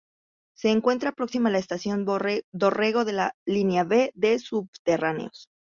Se encuentra próxima a la Estación Dorrego de la línea B de subterráneos.